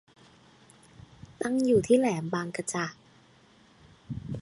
ตั้งอยู่ที่แหลมบางกะจะ